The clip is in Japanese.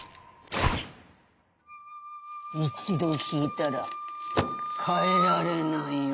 一度引いたら変えられないよ。